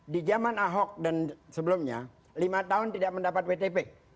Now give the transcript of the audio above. di zaman ahok dan sebelumnya lima tahun tidak mendapat wtp